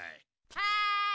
はい！